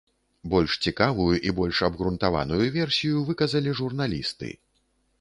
Больш цікавую, і больш абгрунтаваную версію выказалі журналісты.